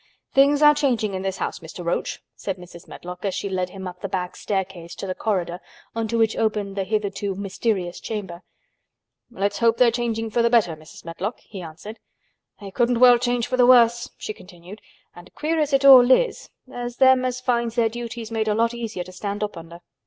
"Things are changing in this house, Mr. Roach," said Mrs. Medlock, as she led him up the back staircase to the corridor on to which opened the hitherto mysterious chamber. "Let's hope they're changing for the better, Mrs. Medlock," he answered. "They couldn't well change for the worse," she continued; "and queer as it all is there's them as finds their duties made a lot easier to stand up under.